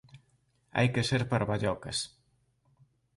Hai que ser parvallocas.